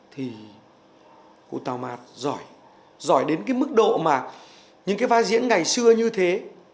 thì cụ tào mạt giỏi giỏi đến cái mức độ mà những cái vai diễn ngày xưa như thế